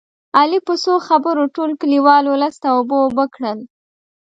علي په څو خبرو ټول کلیوال اولس ته اوبه اوبه کړل